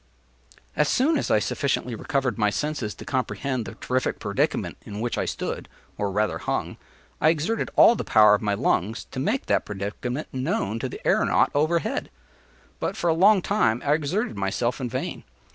As soon as I sufficiently recovered my senses to comprehend the terrific predicament in which I stood or rather hung, I exerted all the power of my lungs to make that predicament known to the æronaut overhead. But for a long time I exerted myself in vain.